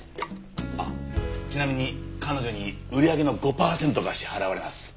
あっちなみに彼女に売り上げの５パーセントが支払われます。